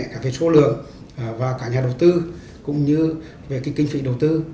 cả về số lượng và cả nhà đầu tư cũng như về kinh phí đầu tư